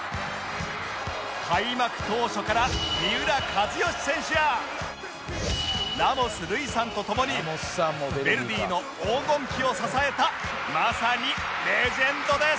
開幕当初から三浦知良選手やラモス瑠偉さんと共にヴェルディの黄金期を支えたまさにレジェンドです